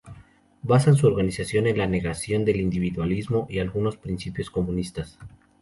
Basan su organización en la negación del individualismo y algunos principios comunistas.